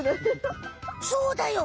そうだよ！